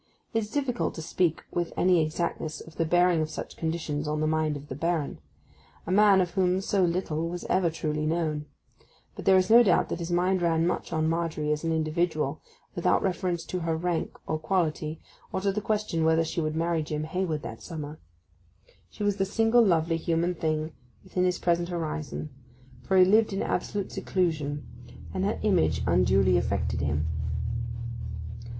It is difficult to speak with any exactness of the bearing of such conditions on the mind of the Baron—a man of whom so little was ever truly known—but there is no doubt that his mind ran much on Margery as an individual, without reference to her rank or quality, or to the question whether she would marry Jim Hayward that summer. She was the single lovely human thing within his present horizon, for he lived in absolute seclusion; and her image unduly affected him.